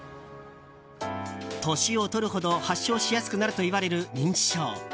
年をとるほど発症しやすくなるといわれる認知症。